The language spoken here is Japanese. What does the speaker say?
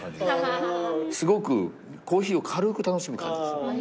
すごくコーヒーを軽く楽しむ感じですね。